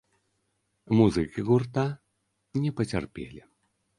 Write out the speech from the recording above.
Музыкі гурта не пацярпелі.